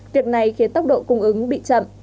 việc này khiến tốc độ cung ứng bị chậm